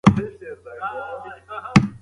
استغفار د زړه زنګ پاکوي.